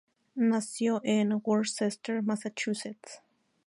Nació en Worcester, Massachusetts.